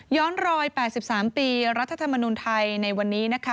รอย๘๓ปีรัฐธรรมนุนไทยในวันนี้นะคะ